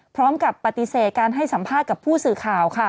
พร้อมกับปฏิเสธการให้สัมภาษณ์กับผู้สื่อข่าวค่ะ